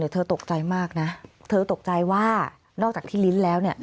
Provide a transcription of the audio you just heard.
เธอตกใจมากนะเธอตกใจว่านอกจากที่ลิ้นแล้วเนี่ย